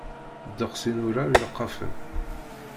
Ddeqs i nurar ileqqafen.